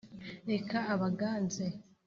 reka abaganze,